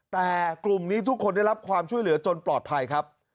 แต่กลุ่มนี้ทุกคนได้รับความช่วยเหลือจนปลอดภัยครับ